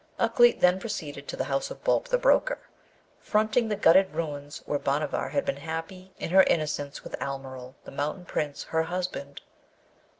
Ukleet then proceeded to the house of Boolp the broker, fronting the gutted ruins where Bhanavar had been happy in her innocence with Almeryl, the mountain prince, her husband.